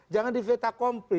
jangan difeta kompli